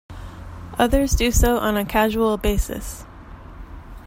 Others do so on a casual basis.